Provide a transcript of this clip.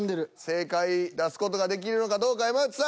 正解出す事ができるのかどうか山内さん。